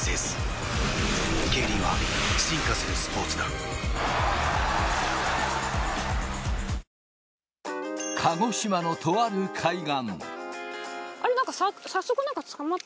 応援し鹿児島のとある海岸。